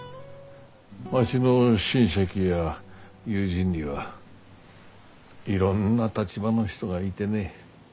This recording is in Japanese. わしの親戚や友人にはいろんな立場の人がいてね。